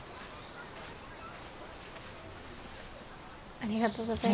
ありがとうございます。